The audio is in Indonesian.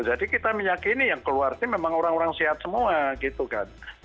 jadi kita meyakini yang keluar ini memang orang orang sehat semua gitu kan